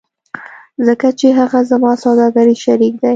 ځکه چې هغه زما سوداګریز شریک دی